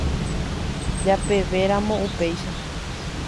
Jepevéramo upéicha.